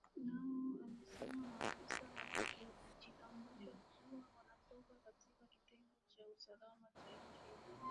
na anur amesema maafisa walojitambulisha kuwa wanatoka katika kitengo cha usalama cha nchi hiyo